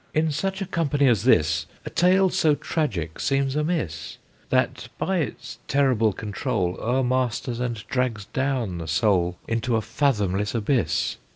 "In such a company as this, A tale so tragic seems amiss, That by its terrible control O'ermasters and drags down the soul Into a fathomless abyss.